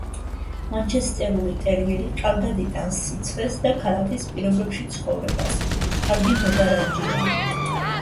მანჩესტერული ტერიერი კარგად იტანს სიცხეს და ქალაქის პირობებში ცხოვრებას, კარგი მოდარაჯეა.